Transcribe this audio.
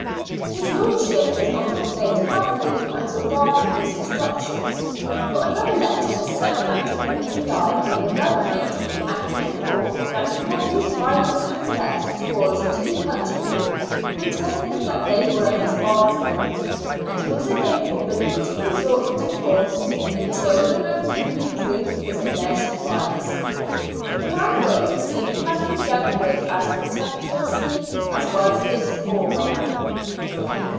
His lordship does not appear to have paid much regard to these instructions, for another letter was sent down to him in July, when the Goverment had been informed that he had used violence and threats towards two country men, contending that they were his bondsmen, and he was again forbidden to resort to force until he had legally proved his alleged rights. The mandate seems to have been dealt with as contemptuously as was its forerunner.